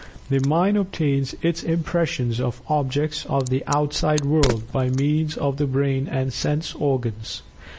The Mind obtains its impressions of objects of the outside world by means of the brain and sense organs.